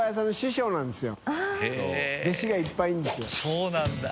そうなんだ！